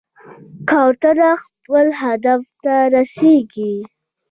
کوتره خپل هدف ته رسېږي.